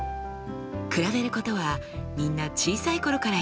比べることはみんな小さい頃からやっています。